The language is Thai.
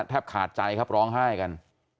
แทบขาดใจครับร้องไห้กัน